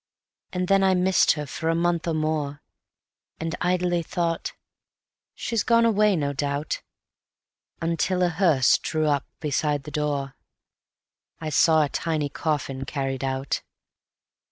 And then I missed her for a month or more, And idly thought: "She's gone away, no doubt," Until a hearse drew up beside the door ... I saw a tiny coffin carried out.